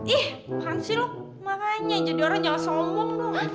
ih makasih lo makanya jadi orang yang sombong loh